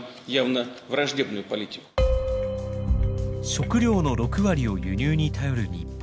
食料の６割を輸入に頼る日本。